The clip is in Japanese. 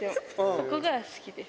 そこが好きです。